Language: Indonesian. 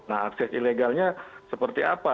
nah akses ilegalnya seperti apa